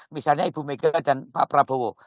misalnya ibu mega dan pak prabowo